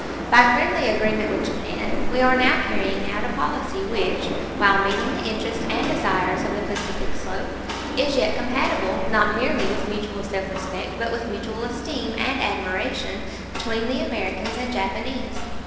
By friendly agreement with Japan, we are now carrying out a policy which, while meeting the interests and desires of the Pacific slope, is yet compatible, not merely with mutual self respect, but with mutual esteem and admiration between the Americans and Japanese.